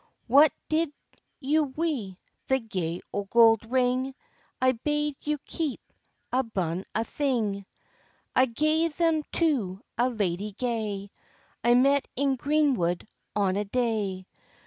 "What did you wi' the gay gold ring, I bade you keep abune a' thing?" "I gae them to a ladye gay, I met in green wood on a day.